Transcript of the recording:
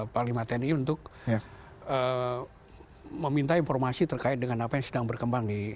panglima tni untuk meminta informasi terkait dengan apa yang sedang berkembang